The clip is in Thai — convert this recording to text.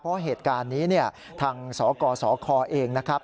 เพราะเหตุการณ์นี้เนี่ยทางสกสคเองนะครับ